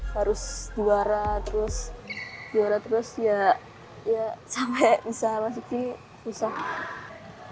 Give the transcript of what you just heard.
harus juara terus juara terus ya sampai bisa masuk ke tni susah